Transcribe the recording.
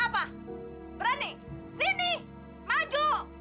apa berani sini maju